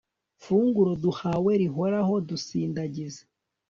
funguro duhawe rihoraho, dusindagize